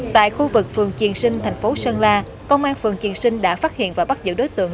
tại khu vực phường triền sinh thành phố sơn la công an phường triền sinh đã phát hiện và bắt giữ đối tượng